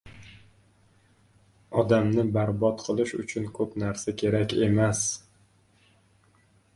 Odamni barbod qilish uchun ko‘p narsa kerak emas